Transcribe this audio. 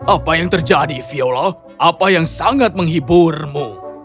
apa yang terjadi viola apa yang sangat menghiburmu